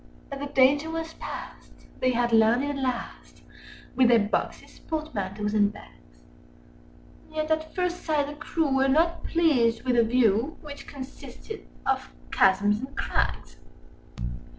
But the danger was past—they had landed at last, Â Â Â Â With their boxes, portmanteaus, and bags: Yet at first sight the crew were not pleased with the view, Â Â Â Â Which consisted of chasms and crags.